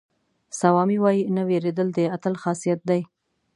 سوامي وایي نه وېرېدل د اتل خاصیت دی.